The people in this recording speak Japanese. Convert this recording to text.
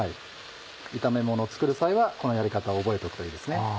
炒めものを作る際はこのやり方を覚えておくといいですね。